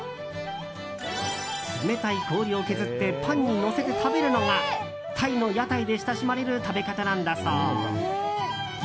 冷たい氷を削ってパンにのせて食べるのがタイの屋台で親しまれる食べ方なんだそう。